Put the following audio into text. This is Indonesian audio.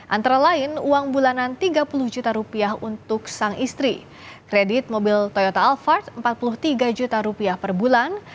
antara lain uang bulanan tiga puluh juta rupiah untuk sang istri kredit mobil toyota alphard rp empat puluh tiga juta rupiah per bulan